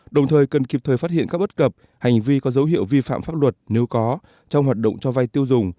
đồng thời cần kịp thời phát hiện các bất cập hành vi có dấu hiệu vi phạm pháp luật nếu có trong hoạt động cho vai tiêu dùng